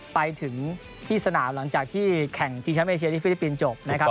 ไปถึงที่สนามหลังจากที่แข่งชิงแชมป์เอเชียที่ฟิลิปปินส์จบนะครับ